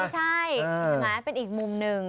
ใช่มันเป็นอีกมุมหนึ่ง